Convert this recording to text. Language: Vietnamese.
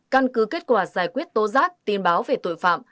căn cứ kết quả giải quyết tố giác tin báo về tội phạm